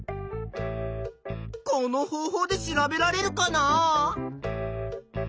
この方法で調べられるかな？